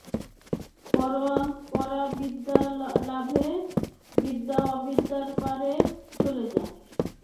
পরাবিদ্যালাভে বিদ্যা-অবিদ্যার পারে চলে যা।